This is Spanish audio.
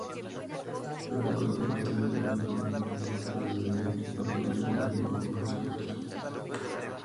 Pero el alcoholismo la terminó arruinando: lo relegó a producciones de bajo presupuesto.